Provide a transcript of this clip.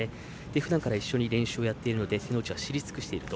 ふだんから一緒に練習をしているので手の内は知り尽くしていると。